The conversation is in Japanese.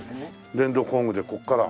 電動工具でここから。